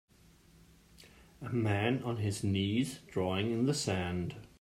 a man on his knees drawing in the sand